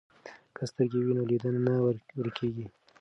که سترګې وي نو لید نه ورکیږي.